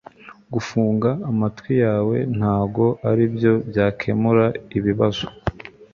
gufunga amatwi yawe ntago aribyo byakemura ibibazo